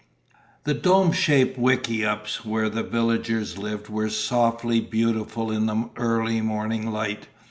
The dome shaped wickiups where the villagers lived were softly beautiful in the early morning light.